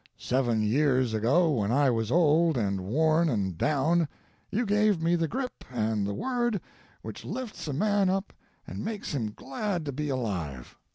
Seven years ago when I was old and worn and down, you have me the grip and the word which lifts a man up and makes him glad to be alive.